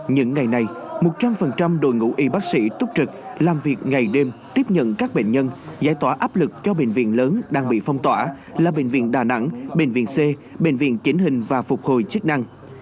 những ngày này một trăm linh đội ngũ y bác sĩ túc trực làm việc ngày đêm tiếp nhận các bệnh nhân giải tỏa áp lực cho bệnh viện lớn đang bị phong tỏa là bệnh viện đà nẵng bệnh viện c bệnh viện chỉnh hình và phục hồi chức năng